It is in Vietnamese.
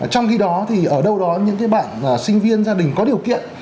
trong khi đó thì ở đâu đó những bạn sinh viên gia đình có điều kiện